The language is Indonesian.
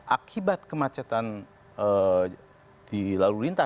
akibat kemacetan di lalu lintas